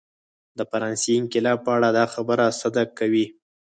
د فرانسې انقلاب په اړه دا خبره صدق کوي.